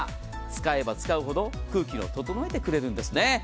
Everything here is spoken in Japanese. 使えば使うほど空気を整えてくれるんですね。